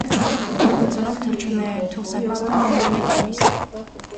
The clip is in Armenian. Երկու ծնող թռչուններն էլ թուխս են նստում մոտ մեկ ամիս։